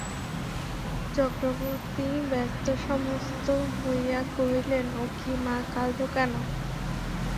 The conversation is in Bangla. চক্রবর্তী ব্যস্তসমস্ত হইয়া কহিলেন, ও কী, মা, কাঁদ কেন?